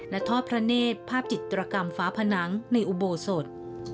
และทอดพระเนธภาพจิตรกรรมฟ้าผนังในอุโบสถ